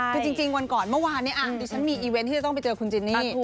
คือจริงวันก่อนเมื่อวานนี้ดิฉันมีอีเวนต์ที่จะต้องไปเจอคุณจินนี่